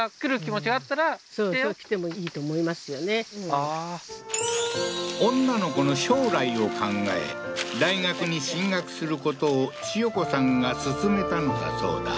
ああー女の子の将来を考え大学に進学することを千代子さんが勧めたのだそうだ